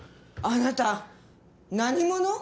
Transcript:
あなた何者？